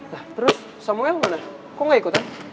nah terus samuel mana kok gak ikutan